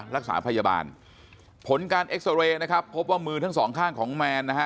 รักษาพยาบาลผลการเอ็กซาเรย์นะครับพบว่ามือทั้งสองข้างของแมนนะฮะ